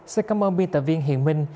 xin cảm ơn biên tập viên hiền minh